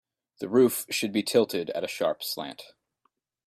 The roof should be tilted at a sharp slant.